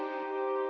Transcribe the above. sang putri menangis